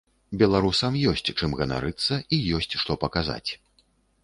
Беларусам ёсць чым ганарыцца і ёсць што паказаць.